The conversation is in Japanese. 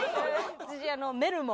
私メルモ。